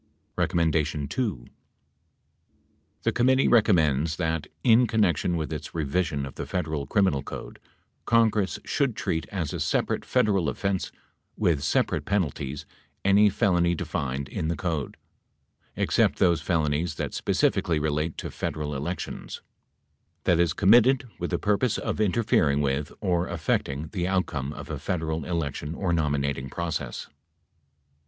2. The committee recommends that, in connection with its revi sion of the Federal Criminal Code, Congress should treat as a separate Federal offense, with separate penalties, any felony defined in the code (except those felonies that specifically relate to Federal elections) that is committed with the purpose of interfering with or affecting the outcome of a Federal election or nominating process.